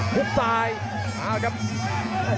พุ่มซ้ายมาแล้วกันครับ